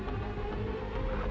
masih ada yang mau ngomong